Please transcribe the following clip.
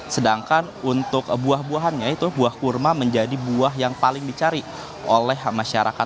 sedangkan untuk buah buahannya itu buah kurma menjadi buah yang paling dicari oleh masyarakat